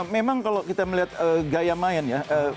memang kalau kita melihat gaya main ya